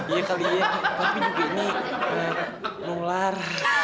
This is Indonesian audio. iya kali ya tapi juga ini eh nular